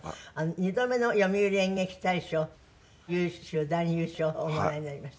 ２度目の読売演劇大賞優秀男優賞をおもらいになりました。